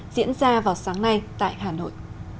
diễn ra vào sáng nay tại hà nội